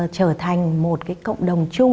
trở thành một cái cộng đồng chung